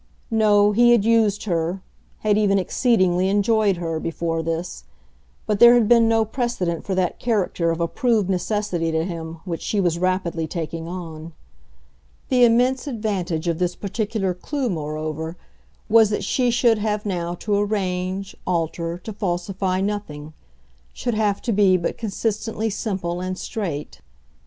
No, he had used her, had even exceedingly enjoyed her, before this; but there had been no precedent for that character of a proved necessity to him which she was rapidly taking on. The immense advantage of this particular clue, moreover, was that she should have now to arrange, alter, to falsify nothing; should have to be but consistently simple and straight.